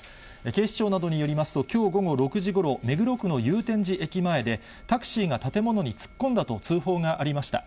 警視庁などによりますと、きょう午後６時ごろ、目黒区の祐天寺駅前で、タクシーが建物に突っ込んだと通報がありました。